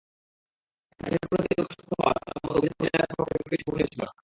দাসের প্রতি এরূপ আসক্ত হওয়া তার মত অভিজাত মহিলার পক্ষে মোটেই শোভনীয় ছিল না।